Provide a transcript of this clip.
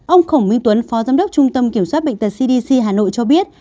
ông khổng minh tuấn phó giám đốc trung tâm kiểm soát bệnh tật cdc hà nội cho biết